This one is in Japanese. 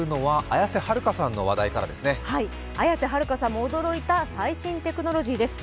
綾瀬はるかさんも驚いた最新テクノロジーです。